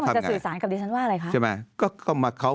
ท่านคำถามสื่อสารกับดิฉันว่าอะไรคะ